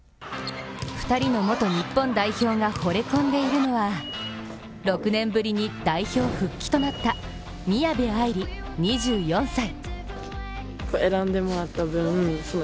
２人の元日本代表がほれ込んでいるのは６年ぶりに代表復帰となった宮部藍梨２４歳。